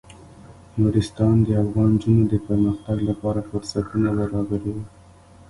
نورستان د افغان نجونو د پرمختګ لپاره فرصتونه برابروي.